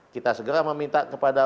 kita segera meminta kepada